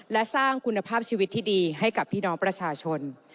และสร้างคุณภาพชีวิตที่ดีให้กับพี่น้องประชาชน